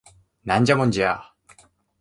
ナンジャモンジャ